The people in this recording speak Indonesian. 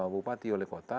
bupati oleh kota